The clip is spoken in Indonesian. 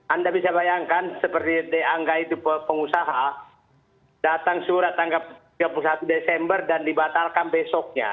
anda bisa bayangkan seperti dianggap itu pengusaha datang surat tanggal tiga puluh satu desember dan dibatalkan besoknya